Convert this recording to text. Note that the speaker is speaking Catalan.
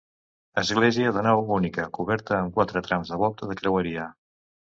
Església de nau única, coberta amb quatre trams de volta de creueria.